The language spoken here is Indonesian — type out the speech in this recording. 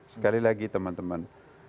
sekali lagi teman teman